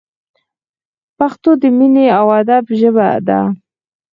پښتو د مینې او ادب ژبه ده!